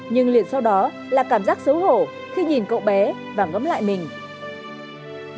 nhưng liền sau đó là cảm giác xấu hổ khi nhìn cậu bé và ngẫm lại mình